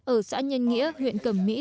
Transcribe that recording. ở xã nhân nghĩa huyện cẩm mỹ